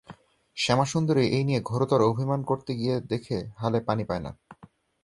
শ্যামাসুন্দরী এই নিয়ে ঘোরতর অভিমান করতে গিয়ে দেখে হালে পানি পায় না।